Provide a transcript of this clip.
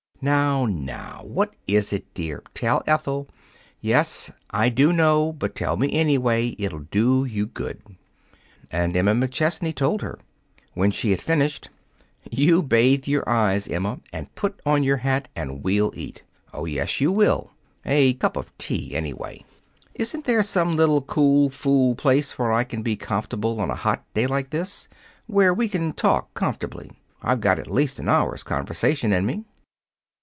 "Now, now what is it, dear? Tell Ethel. Yes; I do know, but tell me, anyway. It'll do you good." And Emma McChesney told her. When she had finished: "You bathe your eyes, Emma, and put on your hat and we'll eat. Oh, yes, you will. A cup of tea, anyway. Isn't there some little cool fool place where I can be comfortable on a hot day like this where we can talk comfortably? I've got at least an hour's conversation in me."